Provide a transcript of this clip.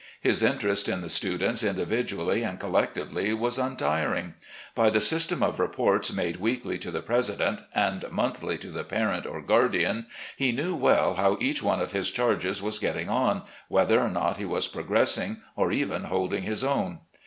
His interest in the students indmdually and collectively was untiring. By the system of reports made weekly to the president, and monthly ■to the parent or guardian, he knew well how each one of his charges ■was getting on, whether or not he was progressing, or even holding his O'wn.